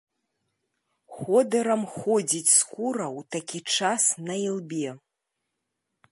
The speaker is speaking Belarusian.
Ходырам ходзіць скура ў такі час на ілбе.